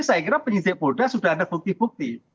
saya kira penyidik polda sudah ada bukti bukti